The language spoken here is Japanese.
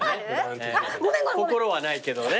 心はないけどね。